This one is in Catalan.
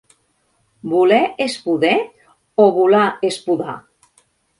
¿Voler és poder o volar és podar?